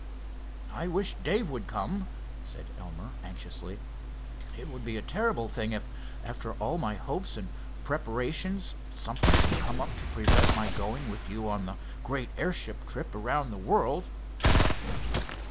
"I wish Dave would come," said Elmer, anxiously. "It would be a terrible thing if, after all my hopes and preparations, something should come up to prevent my going with you on the great airship trip around the world."